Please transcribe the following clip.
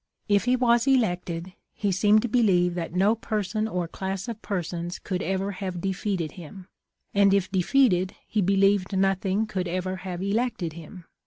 If he was elected, he seemed to believe that no person or class of persons could ever have defeated him, and if defeated, he believed nothing could ever have elected him.